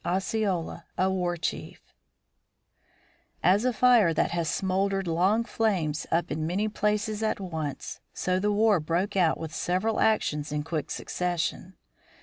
OSCEOLA A WAR CHIEF As a fire that has smoldered long flames up in many places at once, so the war broke out with several actions in quick succession.